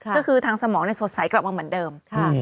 ก็คือทางสมองสดใสกลับมาเหมือนเดิม